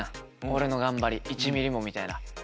俺の頑張り１ミリも！みたいな。